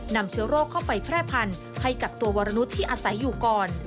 นำเชื้อโรคเข้าไปแพร่พันธุ์ให้กับตัววรนุษย์ที่อาศัยอยู่ก่อน